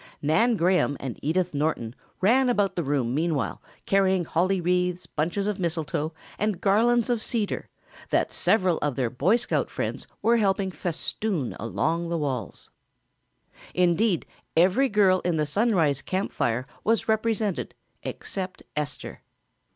Nan Graham and Edith Norton ran about the room meanwhile, carrying holly wreaths, bunches of mistletoe and garlands of cedar, that several of their Boy Scout friends were helping festoon along the walls. Indeed, every girl in the Sunrise Camp Fire was represented except Esther.